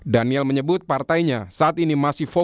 daniel menyebut partainya saat ini masih fokus